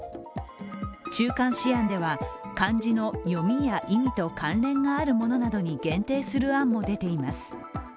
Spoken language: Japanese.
中間試案では漢字の読みと意味に関連があるものなどに限定する案も出ています。